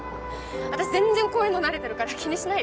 私全然こういうの慣れてるから気にしないで。